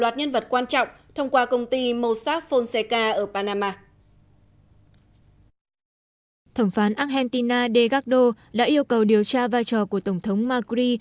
thẩm phán argentina federico delgado đã yêu cầu điều tra vai trò của tổng thống macri